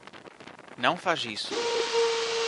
Não faz isso!